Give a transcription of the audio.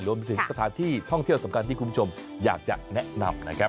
รวมถึงสถานที่ท่องเที่ยวสำคัญที่คุณผู้ชมอยากจะแนะนำนะครับ